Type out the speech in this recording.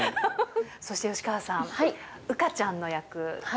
そして吉川さん、羽花ちゃんの役。